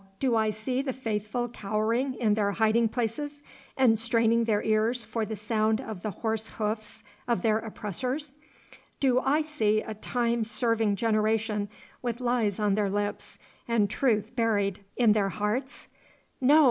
Do I see the faithful cowering in their hiding places and straining their ears for the sound of the horsehoof's of their oppressors? Do I see a time serving generation, with lies on their lips and truth buried in their hearts? No!